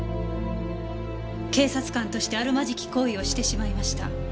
「警察官としてあるまじき行為をしてしまいました」